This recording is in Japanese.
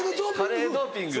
カレードーピング。